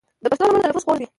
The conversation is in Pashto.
• د پښتو نومونو تلفظ خوږ دی.